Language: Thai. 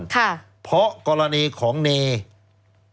แล้วเขาก็ใช้วิธีการเหมือนกับในการ์ตูน